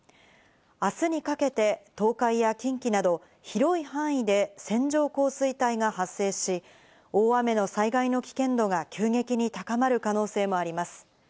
あすにかけて、東海や近畿など広い範囲で線状降水帯が発生し、大雨の災害の危険度が急激に高まる可能性もあります。